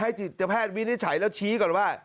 จิตแพทย์วินิจฉัยแล้วชี้ก่อนว่า